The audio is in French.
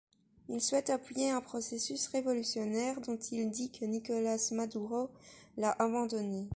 Il souhaite appuyer un processus révolutionnaire dont il dit que Nicolás Maduro l'a abandonné.